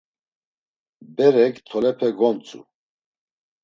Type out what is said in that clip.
Berek tolepe gontzu.